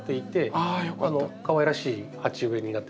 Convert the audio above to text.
かわいらしい鉢植えになってますね。